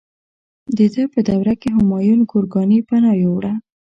د ده په دوره کې همایون ګورکاني پناه یووړه.